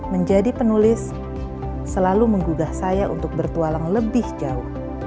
menjadi penulis selalu menggugah saya untuk bertualang lebih jauh